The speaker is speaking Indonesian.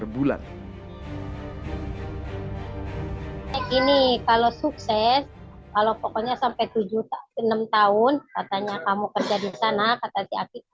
bulan ini kalau sukses kalau pokoknya sampai tujuh puluh enam tahun katanya kamu kerja di sana kata tiap